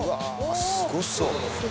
すごそう。